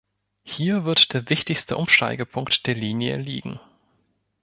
Hier wird der wichtigste Umsteigepunkt der Linie liegen.